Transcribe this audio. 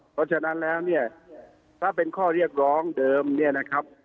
เพราะฉะนั้นแล้วเนี่ยถ้าเป็นข้อเรียกร้องเดิมเนี่ยนะครับ